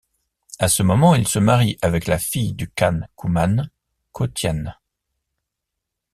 À ce moment, il se marie avec la fille du Khan Couman, Kotian.